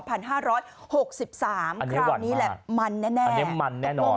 อันนี้หวั่นมากคราวนี้แหละมันแน่อันนี้มันแน่นอน